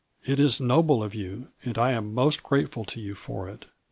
It is noble of you, and I am most grateful to you for it.